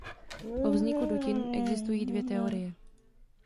O vzniku dutin existují dvě teorie.